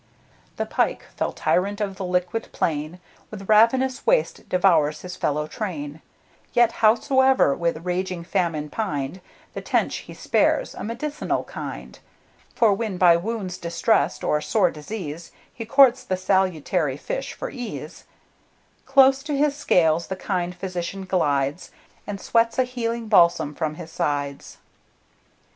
The pike, fell tyrant of the liquid plain, With ravenous waste devours his fellow train; Yet howsoe'er with raging famine pined, The tench he spares, a medicinal kind; For when by wounds distress'd, or sore disease, He courts the salutary fish for ease; Close to his scales the kind physician glides, And sweats a healing balsam from his sides.